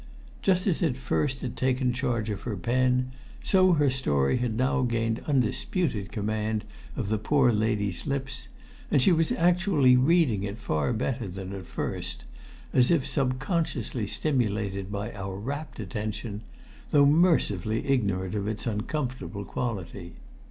Just as it first had taken charge of her pen, so her story had now gained undisputed command of the poor lady's lips; and she was actually reading it far better than at first, as if subconsciously stimulated by our rapt attention, though mercifully ignorant of its uncomfortable quality.